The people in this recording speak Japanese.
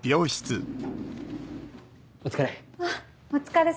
お疲れ。